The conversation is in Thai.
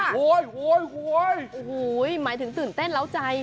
โห้ยโห้ยโห้ยโห้ยหมายถึงตื่นเต้นแล้วใจ